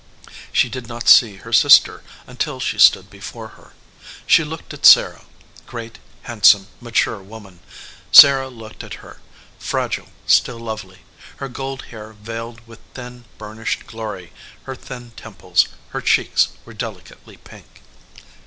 She did not see her sister until she stood before her. She looked at Sarah, great, handsome, mature woman. Sarah looked at her, fragile, still lovely. Her gold hair veiled with thin burnished glory her thin temples, her cheeks were delicately pink.